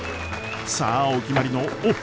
さあお決まりのおっ！